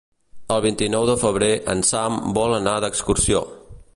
El vint-i-nou de febrer en Sam vol anar d'excursió.